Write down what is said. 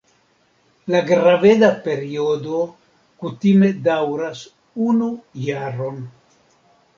La graveda periodo kutime daŭras unu jaron.